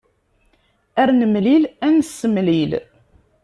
Ar nemlil ad nessemlil.